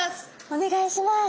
お願いします。